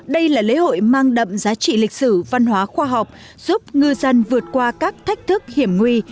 đây là lễ hội mang đậm giá trị lịch sử văn hóa khoa học giúp ngư dân vượt qua các thách thức hiểm nguy